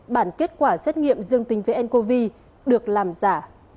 bản kết quả xét nghiệm dương tính với ncov được làm giả